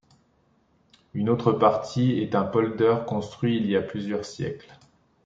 Une autre partie est un polder construit il y a plusieurs siècles.